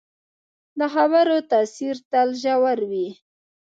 د خبرو تاثیر تل ژور وي